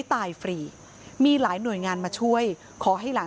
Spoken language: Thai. คุณยายบอกว่ารู้สึกเหมือนใครมายืนอยู่ข้างหลัง